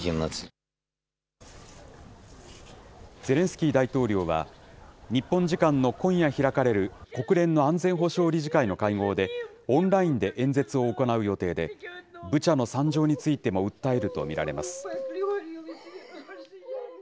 ゼレンスキー大統領は、日本時間の今夜開かれる国連の安全保障理事会の会合で、オンラインで演説を行う予定で、ブチャの惨状についても訴えると見られます。